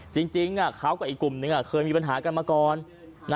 จริงเขากับอีกกลุ่มนึงเคยมีปัญหากันมาก่อน